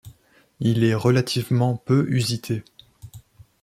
Il est relativement peu usité.